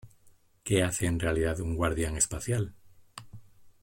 ¿ Qué hace en realidad un guardián espacial?